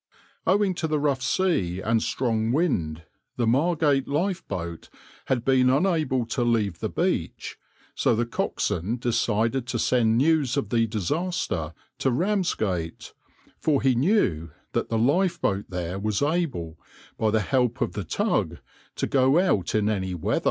Owing to the rough sea and strong wind, the Margate lifeboat had been unable to leave the beach, so the coxswain decided to send news of the disaster to Ramsgate, for he knew that the lifeboat there was able, by the help of the tug, to go out in any weather.